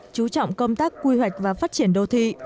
chú trọng công tác quy hoạch và phát triển đô thị